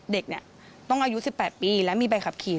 เด็กเนี่ยต้องอายุ๑๘ปีและมีใบขับขี่